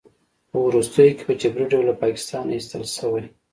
په وروستیو کې په جبري ډول له پاکستانه ایستل شوی